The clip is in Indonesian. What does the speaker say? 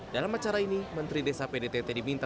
dalam acara ini menteri desa pdtt diminta